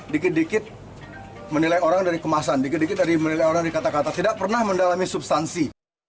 dikit dikit menilai orang dari kemasan dikatakan tidak pernah mendalami substansi